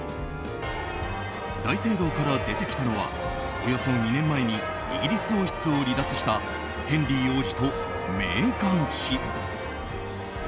大聖堂から出てきたのはおよそ２年前にイギリス王室を離脱したヘンリー王子とメーガン妃。